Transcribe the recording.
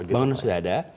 bangunan sudah ada